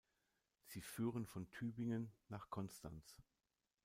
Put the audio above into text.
Sie führen von Tübingen nach Konstanz.